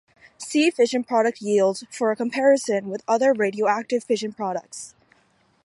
See fission product yield for a comparison with other radioactive fission products.